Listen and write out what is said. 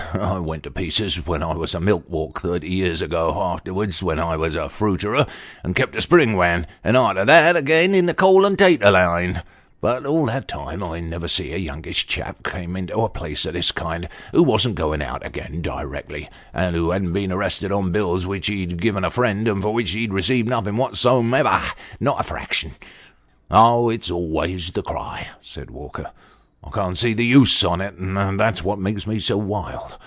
I went to pieces when I was in a milk walk, thirty year ago ; arterwards, when I was a fruiterer, and kept a spring wan ; and arter that again in the coal and 'tatur line but all that time I never see a youngish chap come into a place of this kind, who wasn't going out again directly, and who hadn't been arrested on bills which he'd given a friend and for which he'd received nothing whatsomever not a fraction." "Oh, it's always the cry," said Walker. "I can't see the use on 342 Sketches by Boz. it ; that's what makes me so wild.